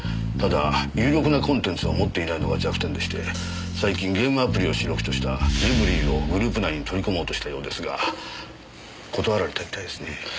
ただ有力なコンテンツを持っていないのが弱点でして最近ゲームアプリを主力としたレブリーをグループ内に取り込もうとしたようですが断られたみたいですね。